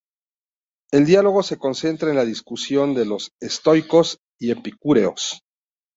El diálogo se centra en la discusión de los estoicos y epicúreos.